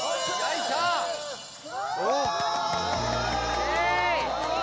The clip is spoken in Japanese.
イエーイ。